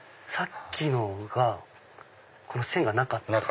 さっきのがこの線がなかった。